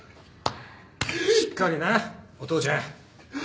しっかりなお父ちゃん。